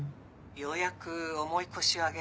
ようやく重い腰を上げて。